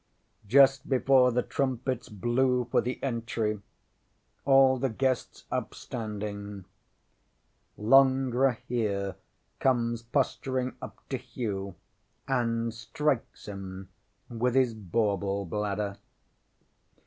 Just before the trumpets blew for the Entry all the guests upstanding long Rahere comes posturing up to Hugh, and strikes him with his bauble bladder.